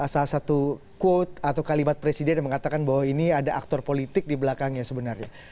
salah satu quote atau kalimat presiden yang mengatakan bahwa ini ada aktor politik di belakangnya sebenarnya